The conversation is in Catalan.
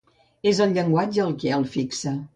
És el llenguatge el que el fixa.